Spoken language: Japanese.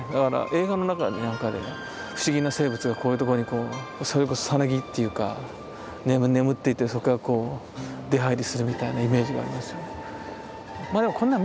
映画の中なんかで不思議な生物がこういうところにこうそれこそサナギっていうか眠っていてそっからこう出入りするみたいなイメージがありますよね。